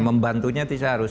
membantunya tidak harus